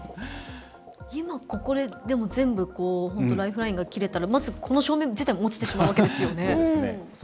今ここで、全部ここでライフラインが落ちたらまず、この照明自体も落ちてしまうわけですよね。